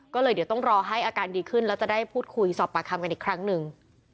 ก็เลยเดี๋ยวต้องรอให้อาการดีขึ้นแล้วจะได้พูดคุยสอบปากคำกันอีกครั้งหนึ่ง